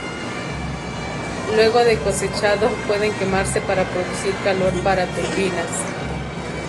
Luego de cosechado, puede quemarse para producir calor para turbinas.